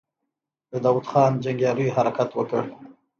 د داوود خان جنګياليو حرکت وکړ.